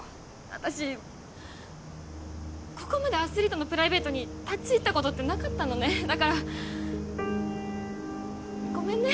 私ここまでアスリートのプライベートに立ち入ったことってなかったのねだからごめんね